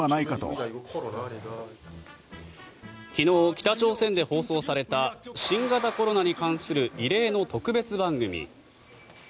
昨日、北朝鮮で放送された新型コロナに関する異例の特別番組。